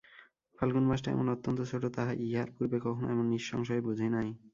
ফাল্গুন মাসটা এমন অত্যন্ত ছোটো তাহা ইহার পুর্বে কখনো এমন নিঃসংশয়ে বুঝি নাই।